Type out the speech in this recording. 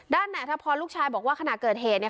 ด้านนั้นถ้าพอลูกชายบอกว่าขณะเกิดเหนี่ย